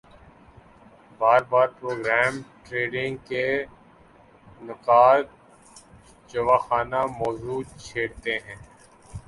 باربار programme trading کے نقّاد جواخانہ موضوع چھیڑتے ہیں